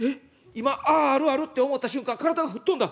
今『ああるある』って思た瞬間体が吹っ飛んだ。